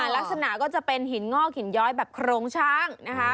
ลักษณะก็จะเป็นหินงอกหินย้อยแบบโครงช้างนะคะ